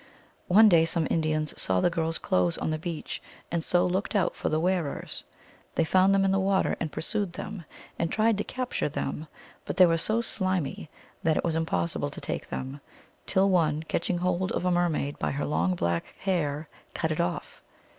One day some Indians saw the girls clothes on the beach, and so looked out for the wearers. They found them in the water, and pursued them, and tried to capture them, but they were so slimy that it was im possible to take them, till one. catching hold of a mer maid by her long black hair, cut it off.